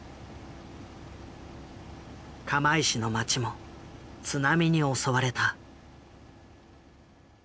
釜石の町も津波に襲われた。